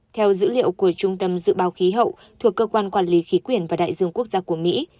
theo dữ liệu của trung tâm dự báo khí hậu thuộc cơ quan quản lý khí quyển và đại dương quốc gia của mỹ